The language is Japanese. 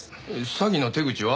詐欺の手口は？